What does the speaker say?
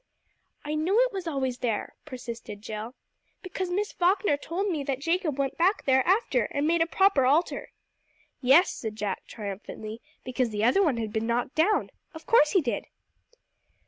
"I know it was always there," persisted Jill, "because Miss Falkner told me that Jacob went back there after, and made a proper altar." "Yes," said Jack triumphantly; "because the other one had been knocked down. Of course he did."